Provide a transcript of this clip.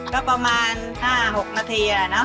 ก็ประมาณ๕๖นาทีอะเนาะ